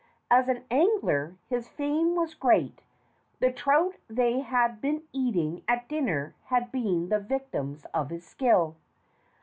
As an angler, his fame was great: the trout they had been eating at dinner had been the victims of his skill.